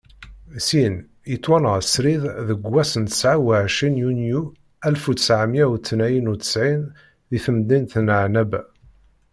Syin, yettwanɣa srid deg wass n tesɛa uɛecrin yunyu alef u ttɛemya u tniyen u ttsɛin deg temdint n Ɛennaba.